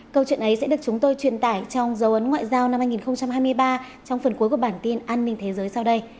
câu chuyện ấy sẽ được chúng tôi truyền tải trong dấu ấn ngoại giao năm hai nghìn hai mươi ba trong phần cuối của bản tin an ninh thế giới sau đây